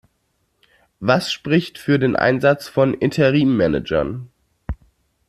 Was spricht für den Einsatz von Interim-Managern?